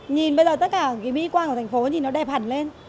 nhìn bây giờ tất cả mỹ quan của thành phố nhìn nó đẹp hẳn lên